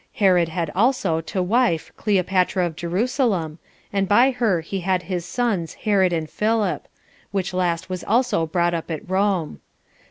Herod had also to wife Cleopatra of Jerusalem, and by her he had his sons Herod and Philip; which last was also brought up at Rome.